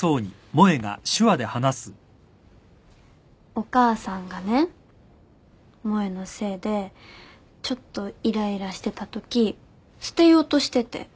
お母さんがね萌のせいでちょっとイライラしてたとき捨てようとしてて。